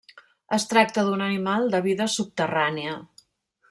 Es tracta d'un animal de vida subterrània.